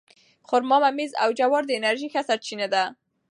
خرما، ممیز او جوار د انرژۍ ښه سرچینې دي.